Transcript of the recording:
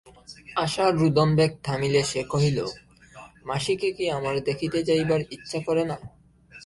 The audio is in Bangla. আশার রোদনবেগ থামিলে সে কহিল, মাসিকে কি আমার দেখিতে যাইবার ইচ্ছা করে না।